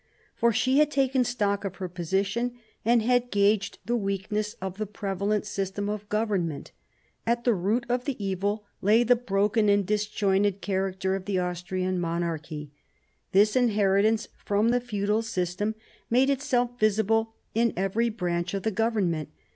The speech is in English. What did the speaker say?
For she had taken stock of her position, and had gauged the weakness of the prevalent system of govern ment. At the root of the evil lay the broken and ! disjointed character of the Austrian monarchy. This v inheritance from the Feudal System made itself visible in every branch of the government.